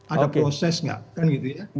ada proses nggak kan gitu ya